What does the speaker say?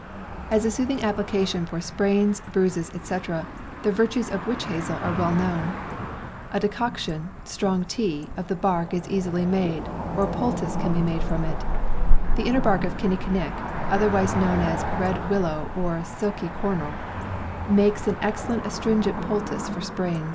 As a soothing application for sprains, bruises, etc., the virtues of witch hazel are well known. A decoc tion (strong tea) of the bark is easily made, or a poul tice can be made from it. The inner bark of kinni kinick, otherwise known as red willow or silky cornel, makes an excellent astringent poultice for sprains.